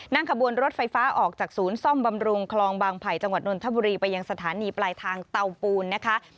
ขบวนรถไฟฟ้าออกจากศูนย์ซ่อมบำรุงคลองบางไผ่จังหวัดนนทบุรีไปยังสถานีปลายทางเตาปูนนะคะ